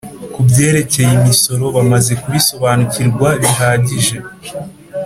ku byerekeye imisoro bamaze kubisobanukirwa bihagije